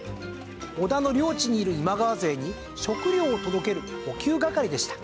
織田の領地にいる今川勢に食料を届ける補給係でした。